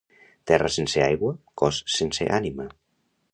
Terra sense aigua, cos sense ànima.